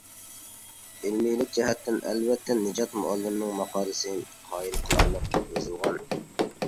ئىلمىيلىك جەھەتتىن ئەلۋەتتە نىجات مۇئەللىمنىڭ ماقالىسى قايىل قىلارلىق يېزىلغان.